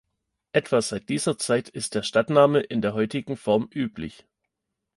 Etwa seit dieser Zeit ist der Stadtname in der heutigen Form üblich.